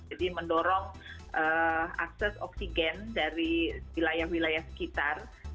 jadi mendorong akses oksigen dari wilayah wilayah sekitar